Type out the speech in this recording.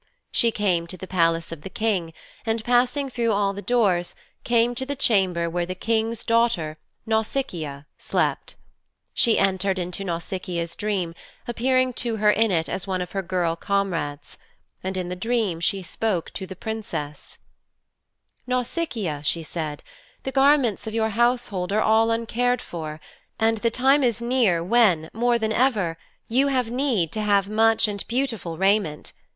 She came to the Palace of the King, and, passing through all the doors, came to the chamber where the King's daughter, Nausicaa slept. She entered into Nausicaa's dream, appearing to her in it as one of her girl comrades. And in the dream she spoke to the Princess: 'Nausicaa,' she said, 'the garments of your household are all uncared for, and the time is near when, more than ever, you have need to have much and beautiful raiment.